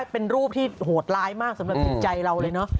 เป็นรูปที่โหดร้ายมากสำหรับจิตใจเราเลยเนอะ